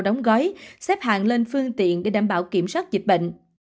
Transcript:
đóng gói xếp hàng lên phương tiện để đảm bảo kiểm soát dịch bệnh